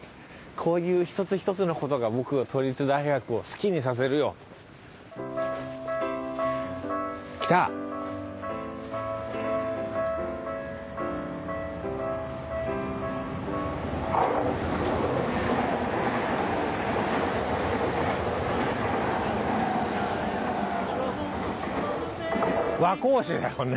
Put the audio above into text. こういう一つ一つの事が僕を都立大学を好きにさせるよ。来た。和光市だよね。